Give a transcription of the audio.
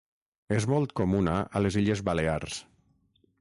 És molt comuna a les Illes Balears.